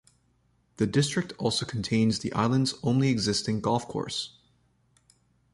The district also contains the island's only existing golf course.